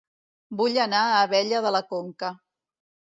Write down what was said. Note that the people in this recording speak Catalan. Vull anar a Abella de la Conca